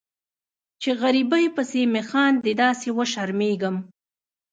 چې غریبۍ پسې مې خاندي داسې وشرمیږم